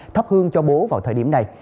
thấp hương cho bố vào thời điểm này